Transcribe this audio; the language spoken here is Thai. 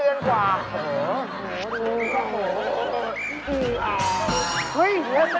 โกรธคดอาหรือ